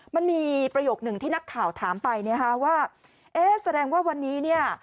มันมีประโยคหนึ่งที่นักข่าวถามไปนะคะว่าเอ๊ะแสดงว่าวันนี้เนี่ย